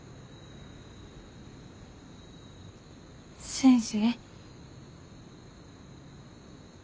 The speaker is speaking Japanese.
先生。